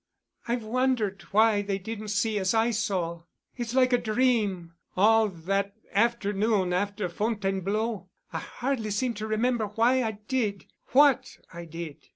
"I've wondered why they didn't see as I saw. It's like a dream—all that afternoon after Fontainebleau. I hardly seem to remember why I did what I did.